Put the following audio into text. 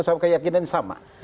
sama keyakinan sama